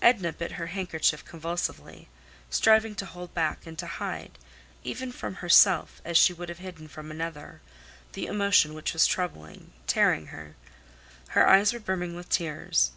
Edna bit her handkerchief convulsively, striving to hold back and to hide, even from herself as she would have hidden from another, the emotion which was troubling—tearing—her. Her eyes were brimming with tears.